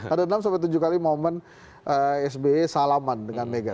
ada enam sampai tujuh kali momen sbe salaman dengan mega